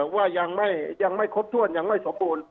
ว่ายังไม่ครบถ้วนยังไม่สมบูรณ์